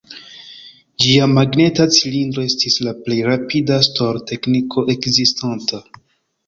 Ĝia magneta cilindro estis la plej rapida stor-tekniko ekzistanta.